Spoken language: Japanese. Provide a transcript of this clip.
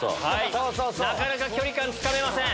なかなか距離感つかめません。